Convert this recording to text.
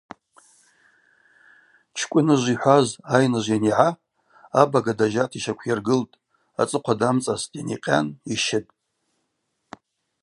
Чкӏвыныжв йхӏваз айныжв йанйагӏа абага дажьата йщаквйыргылтӏ, ацӏыхъва дамцӏастӏ йаникъьан йщытӏ.